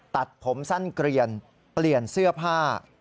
ตัดผมสั้นเกลียนเปลี่ยนเสื้อผ้า